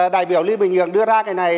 đại biểu lưu bình nhưỡng đưa ra cái này